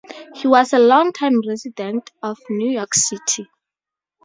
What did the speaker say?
He was a longtime resident of New York City.